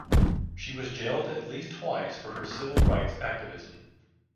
She was jailed at least twice for her civil rights activism.